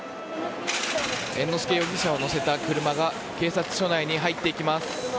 猿之助容疑者を乗せた車が警察署内に入っていきます。